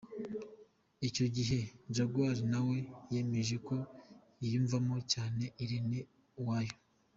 Icyo gihe Jaguar na we yemeje ko yiyumvamo cyane Irene Uwoya.